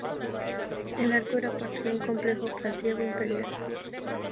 El arco era parte de un complejo palaciego imperial.